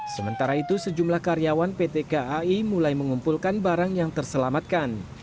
sementara itu sejumlah karyawan pt kai mulai mengumpulkan barang yang terselamatkan